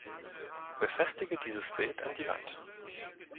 Befestige dieses Bild an die Wand.